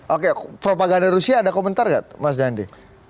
oke propaganda rusia ada komentar gak mas dandi